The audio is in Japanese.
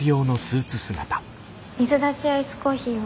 水出しアイスコーヒーを。